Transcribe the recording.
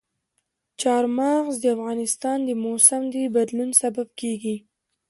چار مغز د افغانستان د موسم د بدلون سبب کېږي.